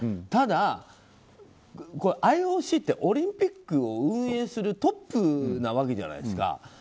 ただ、ＩＯＣってオリンピックを運営するトップなわけじゃないですか。